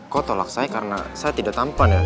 kok tolak saya karena saya tidak tampan ya